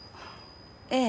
ええ。